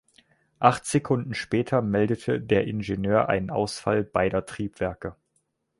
Acht Sekunden später meldete der Ingenieur einen Ausfall beider Triebwerke.